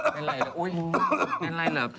เป็นไรหรือ